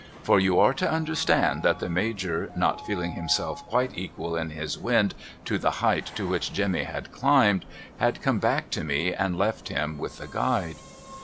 For you are to understand that the ALajor not feeling himself quite equal in his Avind to the height to which Jemmy had climbed, had come back to me and left him with the Guide.